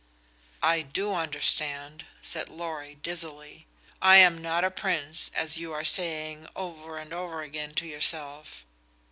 "I do understand," said Lorry, dizzily. "I am not a prince, as you are saying over and over again to yourself.